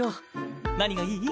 何がいい？